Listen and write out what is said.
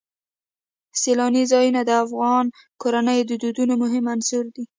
سیلانی ځایونه د افغان کورنیو د دودونو مهم عنصر دی.